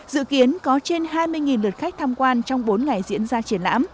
dự kiến có trên hai mươi lượt khách tham quan trong bốn ngày diễn ra triển lãm